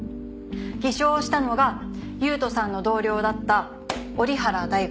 偽証したのが優人さんの同僚だった折原大吾。